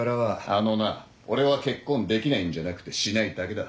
あのな俺は結婚できないんじゃなくてしないだけだ。